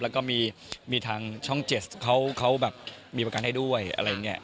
แล้วก็มีทางช่อง๗เขาแบบมีประกันให้ด้วยอะไรอย่างนี้